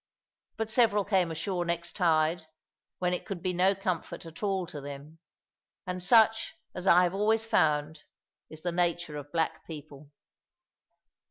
But several came ashore next tide when it could be no comfort at all to them. And such, as I have always found, is the nature of black people.